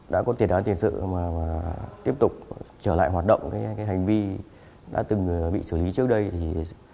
đã có tiền án tiền sự mà tiếp tục trở lại hoạt động hành vi đã từng bị xử lý trước đây